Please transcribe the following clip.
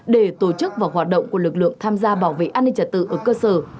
để tổ chức và hoạt động của lực lượng tham gia bảo vệ an ninh trật tự ở cơ sở